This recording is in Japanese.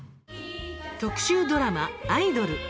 特集ドラマ「アイドル」。